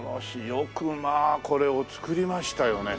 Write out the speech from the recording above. よくまあこれを造りましたよね。